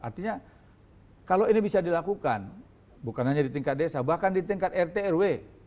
artinya kalau ini bisa dilakukan bukan hanya di tingkat desa bahkan di tingkat rt rw